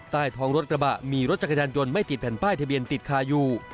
ใต้ท้องรถกระบะมีรถจักรยานยนต์ไม่ติดแผ่นป้ายทะเบียนติดคาอยู่